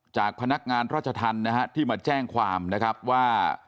จากพนักงานราชธรรมนะฮะที่มาแจ้งความนะครับว่า